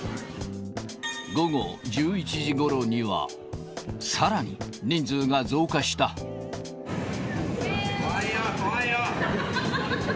午後１１時ごろには、さらに来いよ、来いよ。